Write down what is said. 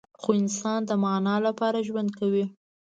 خو انسان د معنی لپاره ژوند کوي.